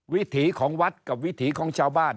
วิถีของวัดกับวิถีของชาวบ้าน